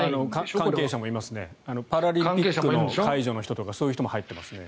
パラリンピックの介助の人とかそういう人も入っていますね。